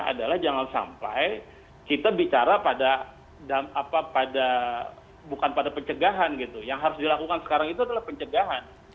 adalah jangan sampai kita bicara pada bukan pada pencegahan gitu yang harus dilakukan sekarang itu adalah pencegahan